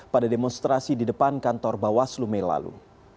pada demonstrasi di depan kantor bawah slume lalu